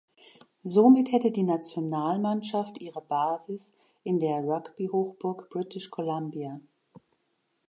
Somit hätte die Nationalmannschaft ihre Basis in der Rugby-Hochburg British Columbia.